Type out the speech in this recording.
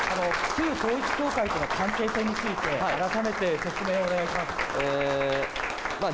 旧統一教会との関係性について、改めて説明お願いします。